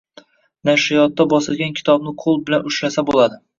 Nashriyotda bosilgan kitobni qo‘l bilan ushlasa bo‘ladi.